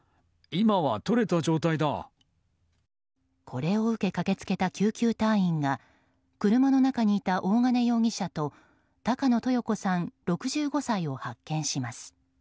これを受け駆けつけた救急隊員が車の中にいた大金容疑者と高野豊子さん、６５歳を発見します。